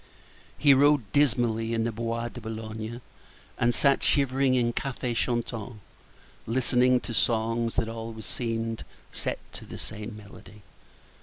He rode dismally in the Bois de Boulogne, and sat shivering in cafés chantants, listening to songs that always seemed set to the same melody.